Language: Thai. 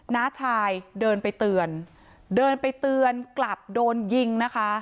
น้าชายเดินไปเตือนเดินไปเตือนกลับโดนยิงนะคะ